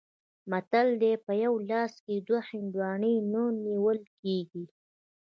متل دی: په یوه لاس کې دوه هندواڼې نه نیول کېږي.